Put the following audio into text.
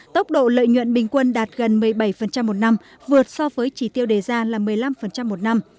tốc độ lợi nhuận bình quân đạt gần một mươi bảy một năm vượt so với chỉ tiêu đề ra là một mươi năm một năm